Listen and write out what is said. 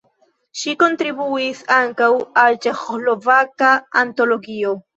Ŝi kontribuis ankaŭ al "Ĉeĥoslovaka Antologio".